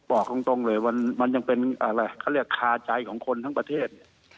บอกตรงเลยว่ามันยังเป็นคาใจของคนทั้งประเทศ